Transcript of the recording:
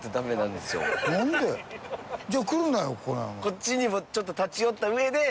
こっちにもちょっと立ち寄った上で。